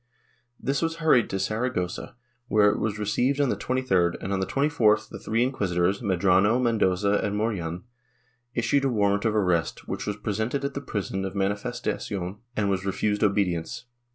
This was hurried to Saragossa, where it was received on the 23d, and on the 24th, the three inquisitors, Medrano, Mendoza and Morejon, issued a warrant of arrest, which was presented at the prison of Manifestacion and was refused obedience.